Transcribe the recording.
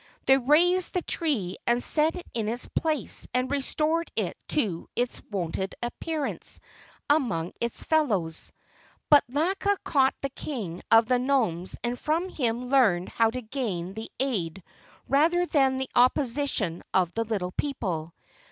They raised the tree and set it in its place and restored it to its wonted appearance among its fellows. But Laka caught the king of the gnomes and from him learned how to gain the aid rather than the opposition of the little people.